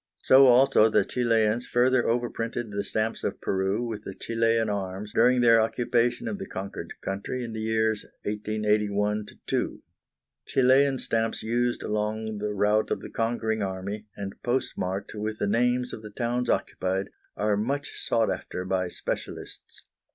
So also the Chilians further overprinted the stamps of Peru with the Chilian arms during their occupation of the conquered country in the years 1881 2. Chilian stamps used along the route of the conquering army, and postmarked with the names of the towns occupied, are much sought after by specialists.